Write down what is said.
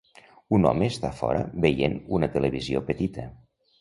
Un home està fora veient una televisió petita.